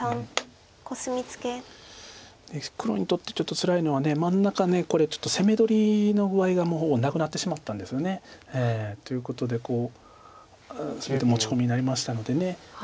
黒にとってちょっとつらいのは真ん中これ攻め取りの具合がもうほぼなくなってしまったんですよね。ということでそれで持ち込みになりましたので。